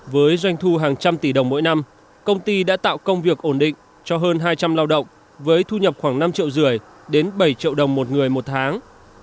với doanh thu hàng trăm tỷ đồng mỗi năm công ty đã tạo công việc ổn định cho hơn hai trăm linh lao động với thu nhập khoảng năm triệu rưỡi đến bảy triệu đồng một người một tháng